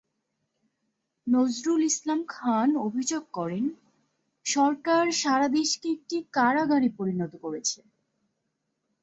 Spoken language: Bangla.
নজরুল ইসলাম খান অভিযোগ করেন, সরকার সারা দেশকে একটি কারাগারে পরিণত করেছে।